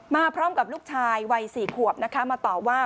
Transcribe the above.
มาพร้อมกับลูกชายวัย๔ขวบนะคะมาต่อว่า